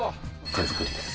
手作りです。